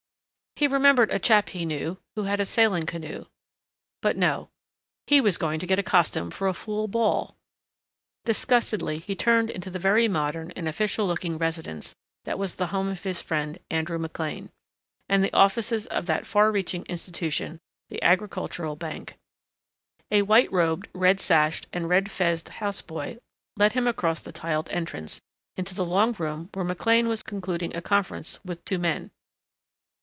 He remembered a chap he knew, who had a sailing canoe but no, he was going to get a costume for a fool ball! Disgustedly he turned into the very modern and official looking residence that was the home of his friend, Andrew McLean, and the offices of that far reaching institution, the Agricultural Bank. A white robed, red sashed and red fezed houseboy led him across the tiled entrance into the long room where McLean was concluding a conference with two men.